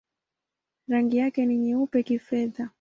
Rangi yake ni nyeupe-kifedha.